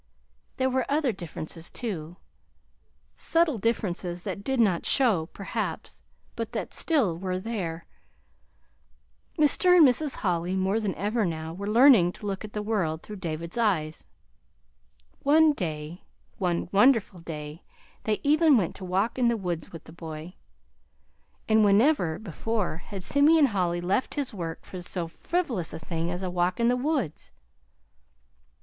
There were other differences, too, subtle differences that did not show, perhaps, but that still were there. Mr. and Mrs. Holly, more than ever now, were learning to look at the world through David's eyes. One day one wonderful day they even went to walk in the woods with the boy; and whenever before had Simeon Holly left his work for so frivolous a thing as a walk in the woods!